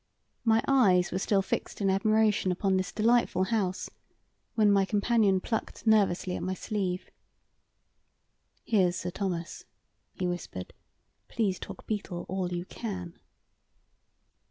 My eyes were still fixed in admiration upon this delightful house when my companion plucked nervously at my sleeve. "Here's Sir Thomas," he whispered. "Please talk beetle all you can."